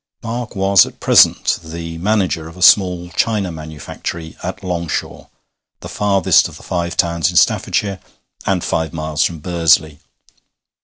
Mark was at present the manager of a small china manufactory at Longshaw, the farthest of the Five Towns in Staffordshire, and five miles from Bursley.